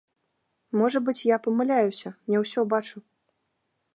Можа быць, я памыляюся, не ўсё бачу.